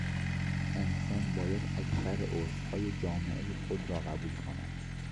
انسان باید اکثر عرفهای جامعهی خود را قبول کند.